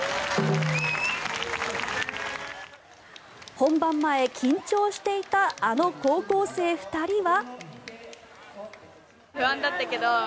本番前、緊張していたあの高校生２人は。